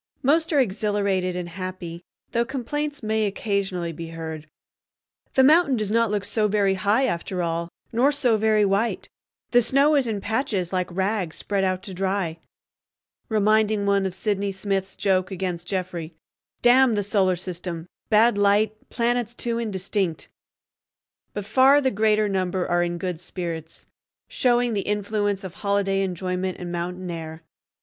Most are exhilarated and happy, though complaints may occasionally be heard—"The mountain does not look so very high after all, nor so very white; the snow is in patches like rags spread out to dry," reminding one of Sydney Smith's joke against Jeffrey, "D—n the Solar System; bad light, planets too indistinct." But far the greater number are in good spirits, showing the influence of holiday enjoyment and mountain air.